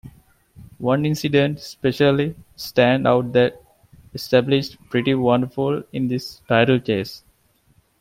One incident especially stands out that established Pretty Wonderful in the title chase.